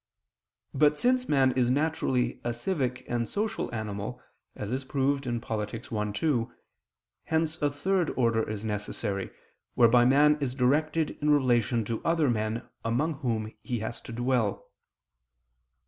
But since man is naturally a civic and social animal, as is proved in Polit. i, 2, hence a third order is necessary, whereby man is directed in relation to other men among whom he has to dwell.